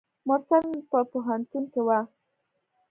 مرسل نن په پوهنتون کې وه.